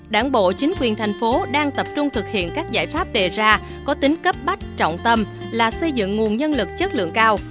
đảng bộ chính quyền thành phố đang tập trung thực hiện các giải pháp đề ra có tính cấp bách trọng tâm là xây dựng nguồn nhân lực chất lượng cao